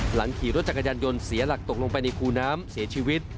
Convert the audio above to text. หลังขี่รถจักรยานยนต์เสียหลักตกลงไปในคูน้ำเสียชีวิต